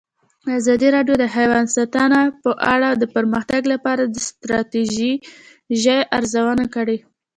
ازادي راډیو د حیوان ساتنه په اړه د پرمختګ لپاره د ستراتیژۍ ارزونه کړې.